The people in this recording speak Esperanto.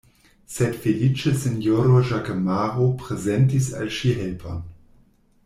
Sed feliĉe sinjoro Ĵakemaro prezentis al ŝi helpon.